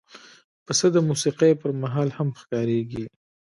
پسه د موسیقۍ پر مهال هم ښکارېږي.